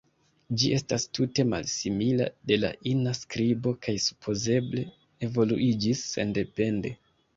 Ĝi estas tute malsimila de la ina skribo kaj supozeble evoluiĝis sendepende.